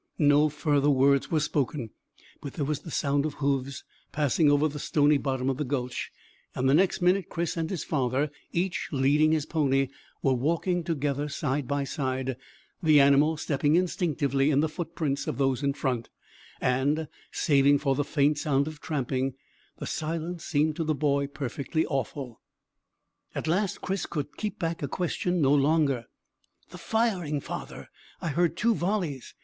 No further words were spoken, but there was the sound of hoofs passing over the stony bottom of the gulch, and the next minute Chris and his father, each leading his pony, were walking together side by side, the animals stepping instinctively in the footprints of those in front, and, saving for the faint sound of tramping, the silence seemed to the boy perfectly awful. At last Chris could keep back a question no longer. "The firing, father I heard two volleys.